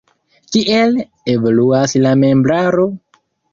Kiel evoluas la membraro?